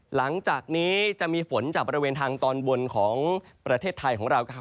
หลังจากนี้จะมีฝนจากบริเวณทางตอนบนของประเทศไทยของเราครับ